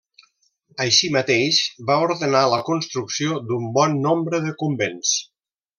Així mateix va ordenar la construcció d'un bon nombre de convents.